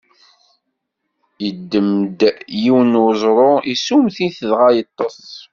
Iddem-d yiwen n uẓru, issummet-it, dɣa yeṭṭeṣ.